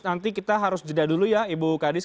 nanti kita harus jeda dulu ya ibu kadis